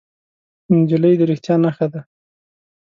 نجلۍ د رښتیا نښه ده.